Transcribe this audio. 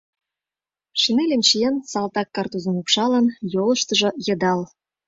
Шинельым чиен, салтак картузым упшалын, йолыштыжо йыдал.